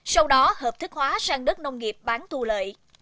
sau đó hợp thức hóa sang đất nông nghiệp bán thu lợi